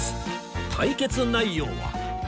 対決内容は